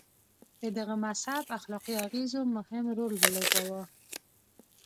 د دغه مذهب اخلاقي اغېزو مهم رول ولوباوه.